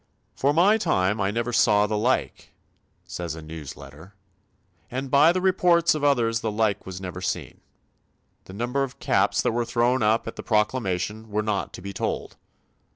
"For my time I never saw the like," says a news letter, "and by the report of others the like was never seen. The number of caps that were thrown up at the proclamation were not to be told....